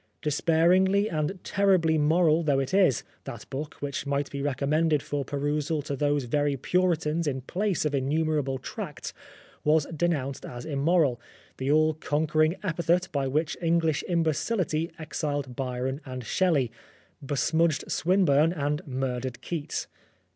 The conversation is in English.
Despairingly and terribly moral though it is, that book, which might be recommended for perusal to those very Puritans in place of innumerable tracts, was denounced as immoral, the all conquering epithet by which English imbecility exiled Byron and Shelley, besmudged Swinburne, and murdered Keats.